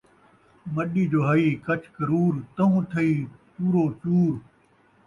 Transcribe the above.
مݙی جو ہئی کچ کرور ، تہوں تھئی چور و چور